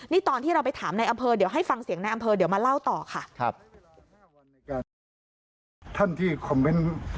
นี่ตอนที่เราไปถามในอำเภอเดี๋ยวให้ฟังเสียงในอำเภอ